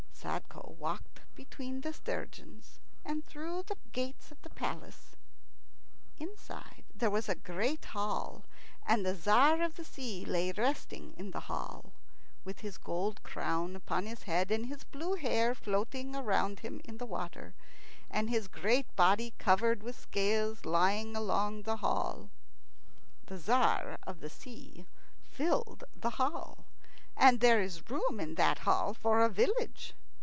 Sadko walked between the sturgeons and through the gates of the palace. Inside there was a great hall, and the Tzar of the Sea lay resting in the hall, with his gold crown on his head and his blue hair floating round him in the water, and his great body covered with scales lying along the hall. The Tzar of the Sea filled the hall and there is room in that hall for a village.